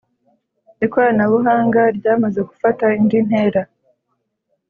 ikoranabuhanga ryamaze gufata indi ntera